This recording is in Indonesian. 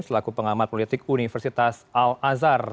selaku pengamat politik universitas al azhar